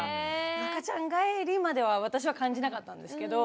赤ちゃん返りまでは私は感じなかったんですけど。